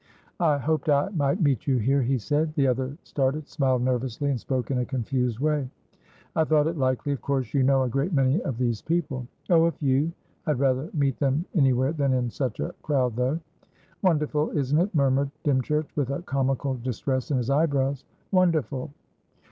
"I hoped I might meet you here," he said. The other started, smiled nervously, and spoke in a confused way. "I thought it likely. Of course you know a great many of these people?" "Oh, a few. I had rather meet them anywhere than in such a crowd, though." "Wonderful, isn't it?" murmured Dymchurch, with a comical distress in his eyebrows. "Wonderful!"